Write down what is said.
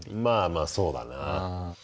まあまあそうだな。